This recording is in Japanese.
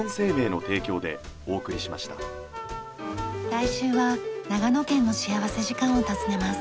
来週は長野県の幸福時間を訪ねます。